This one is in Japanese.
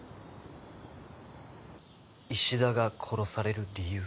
衣氏田が殺される理由？